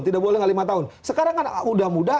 tidak boleh nggak lima tahun sekarang kan udah muda